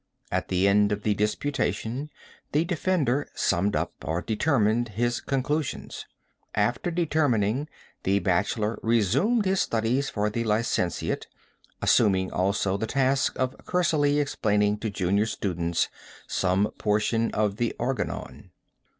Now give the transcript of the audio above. At the end of the disputation, the defender summed up, or determined, his conclusions. After determining, the bachelor resumed his studies for the licentiate, assuming also the task of cursorily explaining to junior students some portion of the Organon.